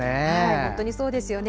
本当にそうですよね。